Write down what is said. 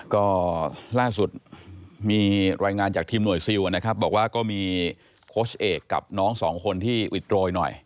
ก็ล่าสุดมีรายงานจากทีมหน่วยซิลนะครับบอกว่าก็มีโค้ชเอกกับน้องสองคนที่อิดโรยหน่อย